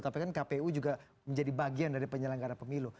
tapi kan kpu juga menjadi bagian dari penyelenggara pemilu